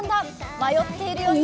迷っている様子。